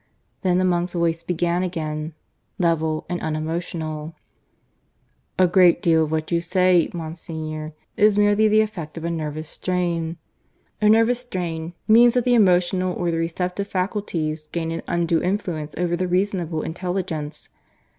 Then the monk's voice began again, level and unemotional: "A great deal of what you say, Monsignor, is merely the effect of a nervous strain. A nervous strain means that the emotional or the receptive faculties gain an undue influence over the reasonable intelligence.